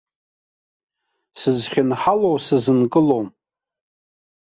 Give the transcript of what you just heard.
Сызхьынҳалоу сазынкылом.